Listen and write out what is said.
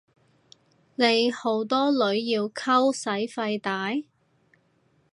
你好多女要溝使費大？